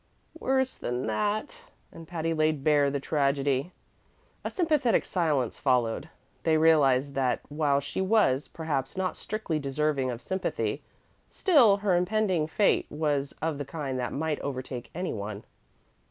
"Worse than that!" and Patty laid bare the tragedy. A sympathetic silence followed; they realized that while she was, perhaps, not strictly deserving of sympathy, still her impending fate was of the kind that might overtake any one.